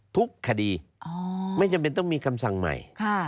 ทุกคดีไม่จำเป็นต้องมีคำสั่งใหม่